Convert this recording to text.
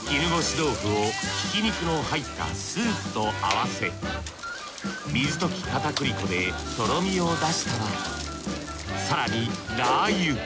豆腐をひき肉の入ったスープと合わせ水溶き片栗粉でとろみを出したら更にラー油。